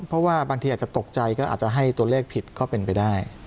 เพราะว่าบางทีอาจจะตกใจก็อาจจะให้ตัวเลขผิดก็เป็นไปได้